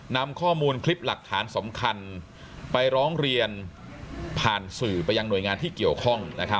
นำข้อมูลคลิปหลักฐานสำคัญไปร้องเรียนผ่านสื่อไปยังหน่วยงานที่เกี่ยวข้อง